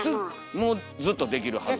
もうずっとできるはず。